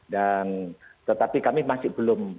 dan tetapi kami masih belum